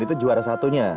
dan itu juara satunya